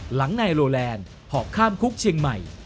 หลังนายโลแลนด์หอบข้ามคุกเชียงใหม่